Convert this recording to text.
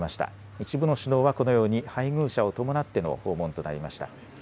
一部の首脳はこのように配偶者を伴っての訪問となりました。